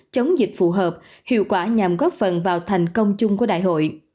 chống dịch phù hợp hiệu quả nhằm góp phần vào thành công chung của đại hội